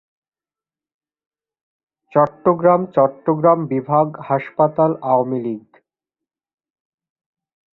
চট্টগ্রামচট্টগ্রাম বিভাগহাসপাতালআওয়ামী লীগ